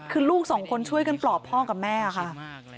คือลูกสองคนช่วยกันปลอบพ่อกับแม่ค่ะ